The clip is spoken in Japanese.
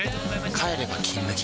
帰れば「金麦」